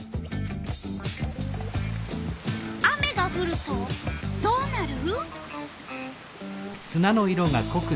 雨がふるとどうなる？